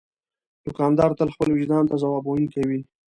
دوکاندار تل خپل وجدان ته ځواب ویونکی وي.